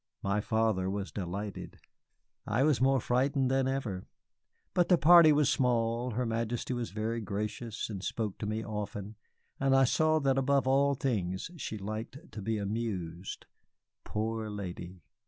My father was delighted, I was more frightened than ever. But the party was small, her Majesty was very gracious and spoke to me often, and I saw that above all things she liked to be amused. Poor lady!